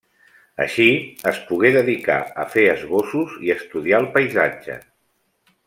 Així, es pogué dedicar a fer esbossos i estudiar el paisatge.